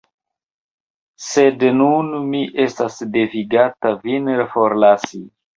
Sed nun mi estas devigata vin forlasi.